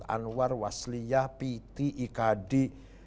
anwar wasliyah piti ikadi